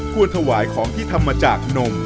ควรถวายของที่ทำมาจากนม